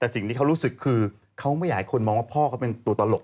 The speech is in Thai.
แต่สิ่งที่เขารู้สึกคือเขาไม่อยากให้คนมองว่าพ่อเขาเป็นตัวตลก